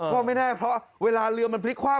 ก็ไม่แน่เพราะเวลาเรือมันพลิกคว่ำ